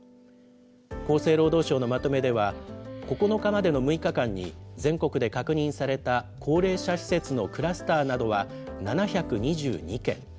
厚生労働省のまとめでは、９日までの６日間に全国で確認された高齢者施設のクラスターなどは７２２件。